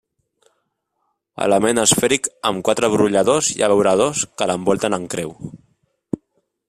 Element esfèric amb quatre brolladors i abeuradors que l'envolten en creu.